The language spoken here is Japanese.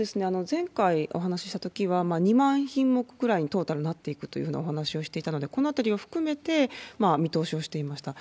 前回お話ししたときは、２万品目ぐらいにトータルなっていくというお話をしていたので、このあたりを含めて見通しをしていました。